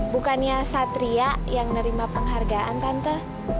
bukannya satria yang nerima penghargaan tante